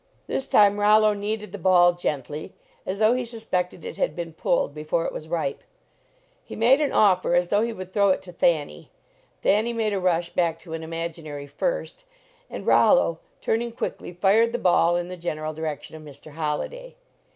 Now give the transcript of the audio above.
This time Rollo kneaded the ball gently, as though he suspected it had been pulled be fore it was ripe. He made an offer as though he would throw it to Thanny. Thanny made a rush back to an imaginary "first," and Rollo, turning quickly, fired the ball in the general direction of Mr. Holliday.